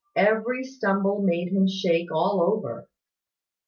Every stumble made him shake all over.